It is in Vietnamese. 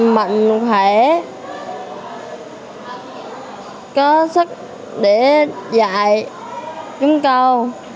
mạnh khỏe có sức để dạy chứng cầu